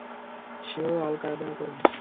সে ও আল-কায়েদার কর্মী।